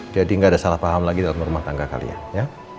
jadi gak ada salah paham lagi dalam rumah tangga kalian ya